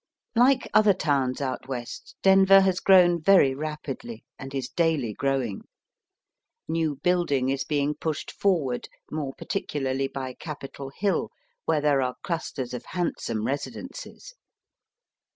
Like other towns out West, Denver has grown very rapidly, and is daily growing. New building is being pushed forward, more particu larly by Capital Hill, where there are clusters of handsome residences.